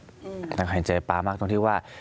แล้วก็เห็นใจป๊ามากตรงที่ว่า